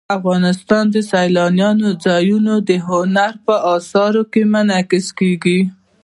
افغانستان کې سیلانی ځایونه د هنر په اثار کې منعکس کېږي.